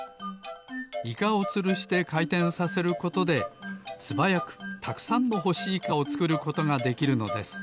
イカをつるしてかいてんさせることですばやくたくさんのほしイカをつくることができるのです。